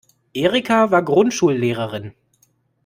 Erika war Grundschullehrerin.